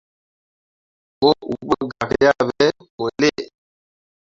Mo uu ɓo gak yah ɓe mo lii.